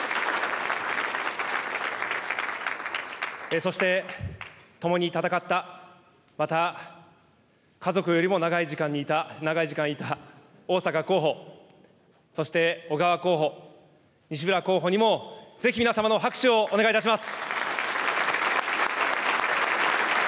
そして共に戦ったまた、家族よりも長い時間いた逢坂候補、そして小川候補、西村候補にも、ぜひ皆様の拍手をお願いいたします。